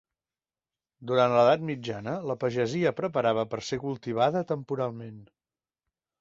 Durant l'edat mitjana la pagesia preparava per ser cultivada temporalment.